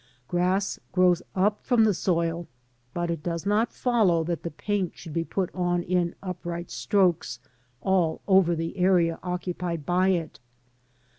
Grass grows up from the soil, but it does not follow that the paint should be put on in upright strokes all over the area occupied by it.